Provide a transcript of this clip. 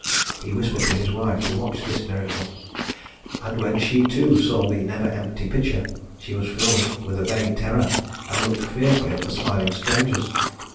He whispered to his wife to watch this miracle; and when she, too, saw the never empty pitcher, she was filled with a vague terror, and looked fearfully at the smiling strangers.